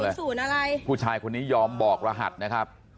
เป็นศูนย์อะไรผู้ชายคนนี้ยอมบอกรหัสนะครับ